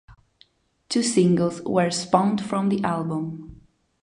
Two singles were spawned from the album.